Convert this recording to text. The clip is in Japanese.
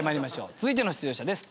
続いての出場者です。